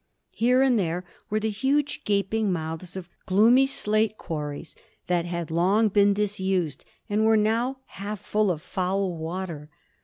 Here and there were the huge, gaping mouths of gloomy slate quarries that had long been disused, and were now half full of foul water.